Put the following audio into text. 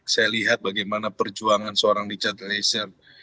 saya lihat bagaimana perjuangan seorang richard eliezer